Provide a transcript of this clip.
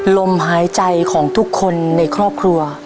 ลมหายใจของทุกคนในครอบครัว